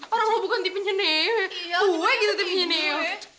orang lo bukan dipenuhi neo gue gitu dipenuhi neo